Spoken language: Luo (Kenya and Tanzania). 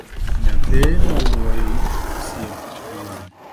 Nyathi mawuoyi osiep wuon